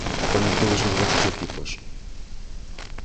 Coñecedes os vosos equipos